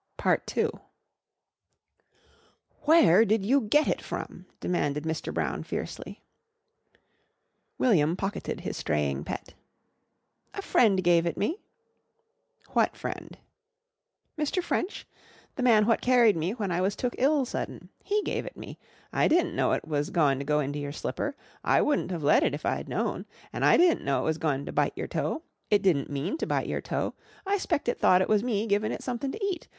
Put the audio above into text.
II "Where did you get it from?" demanded Mr. Brown fiercely. William pocketed his straying pet. "A friend gave it me." "What friend?" "Mr. French. The man what carried me when I was took ill sudden. He gave me it. I di'n't know it was goin' to go into your slipper. I wun't of let it if I'd known. An' I di'n't know it was goin' to bite your toe. It di'n't mean to bite your toe. I 'spect it thought it was me givin' it sumthin' to eat.